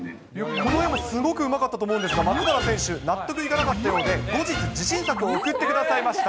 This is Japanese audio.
この絵もすごくうまかったと思うんですが、松原選手、納得いかなかったようで、後日、自信作を送ってくださいました。